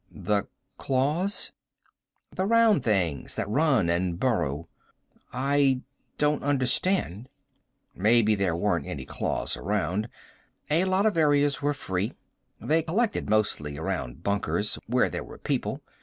"The claws?" "The round things. That run and burrow." "I don't understand." Maybe there weren't any claws around. A lot of areas were free. They collected mostly around bunkers, where there were people.